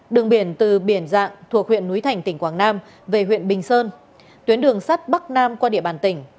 đường biển từ biển dạng thuộc huyện núi thành tỉnh quảng nam về huyện bình sơn tuyến đường sắt bắc nam qua địa bàn tỉnh